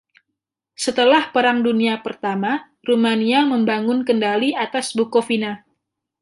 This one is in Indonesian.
Setelah Perang Dunia Pertama, Rumania membangun kendali atas Bukovina.